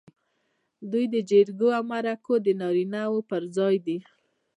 دوی د جرګو او مرکو د نارینه و پر ځای دي.